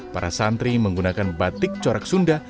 para santri menggunakan batik corak sunda